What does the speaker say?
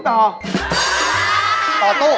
ต่อกับห้องเออครับ